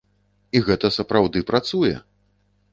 І гэта сапраўды працуе!